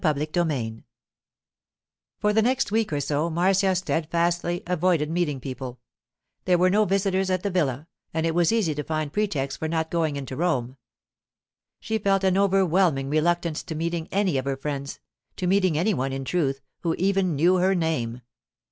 CHAPTER XVII FOR the next week or so Marcia steadfastly avoided meeting people. There were no visitors at the villa, and it was easy to find pretexts for not going into Rome. She felt an overwhelming reluctance to meeting any of her friends—to meeting any one, in truth, who even knew her name.